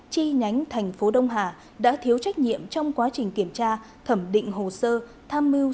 chi nhánh thành phố đông hà đã thiếu trách nhiệm trong quá trình kiểm tra thẩm định hồ sơ tham mưu